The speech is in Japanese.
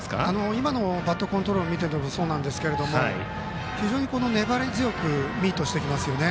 今のバットコントロールを見ていてもそうですが非常に粘り強くミートしてきます。